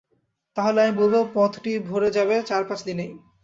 তাহলে আমি বলব পদটি ভরে যাবে চার পাচ দিনেই।